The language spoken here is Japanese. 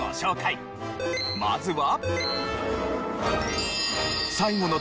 まずは。